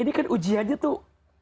ini kan ujiannya tuh